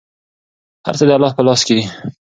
هر څه د الله په لاس کې دي.